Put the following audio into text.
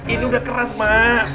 ini udah keras ma